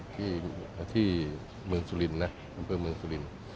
ที่เมืองสุรินทร์นะอำเภอเมืองสุรินทร์